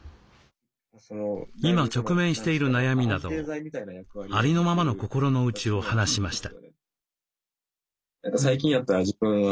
今直面している悩みなどありのままの心のうちを話しました。